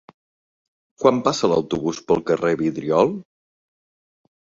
Quan passa l'autobús pel carrer Vidriol?